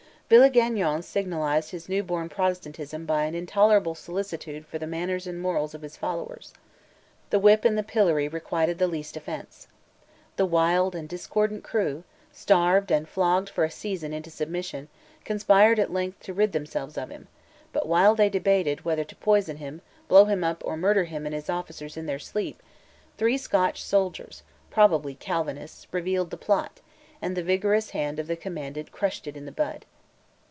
Villegagnon signalized his new born Protestantism by an intolerable solicitude for the manners and morals of his followers. The whip and the pillory requited the least offence. The wild and discordant crew, starved and flogged for a season into submission, conspired at length to rid themselves of him; but while they debated whether to poison him, blow him up, or murder him and his officers in their sleep, three Scotch soldiers, probably Calvinists, revealed the plot, and the vigorous hand of the commandant crushed it in the bud.